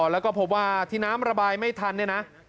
แล้วก็พบว่าที่น้ำระบายไม่ทันเนี่ยนะ